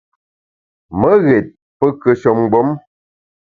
Me ghét pe kùeshe mgbom.